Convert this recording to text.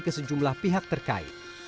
ke sejumlah pihak terkait